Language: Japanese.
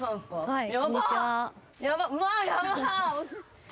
はい。